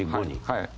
はい。